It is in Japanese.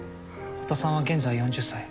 堀田さんは現在４０歳。